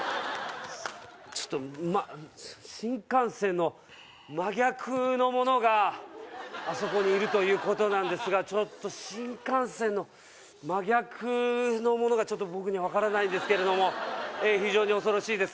ちょっとま新幹線の真逆のものがあそこにいるということなんですがちょっと新幹線の真逆のものがちょっと僕には分からないんですけれども非常に恐ろしいです